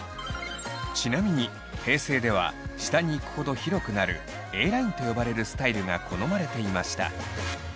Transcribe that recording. ちなみに平成では下に行くほど広くなるＡラインと呼ばれるスタイルが好まれていました。